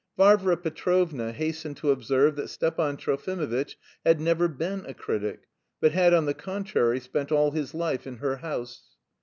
Varvara Petrovna hastened to observe that Stepan Trofimovitch had never been a critic, but had, on the contrary, spent all his life in her house.